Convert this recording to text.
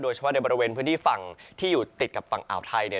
เฉพาะในบริเวณพื้นที่ฝั่งที่อยู่ติดกับฝั่งอ่าวไทยเนี่ย